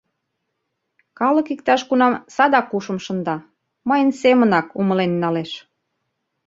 Калык иктаж-кунам садак ушым шында, мыйын семынак умылен налеш.